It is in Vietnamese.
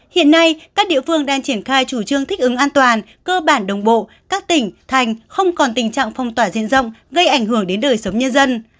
hiện nay các địa phương đang triển khai chủ trương thích ứng an toàn cơ bản đồng bộ các tỉnh thành không còn tình trạng phong tỏa diện rộng gây ảnh hưởng đến đời sống nhân dân